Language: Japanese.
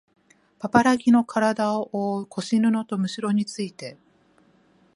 パパラギのからだをおおう腰布とむしろについて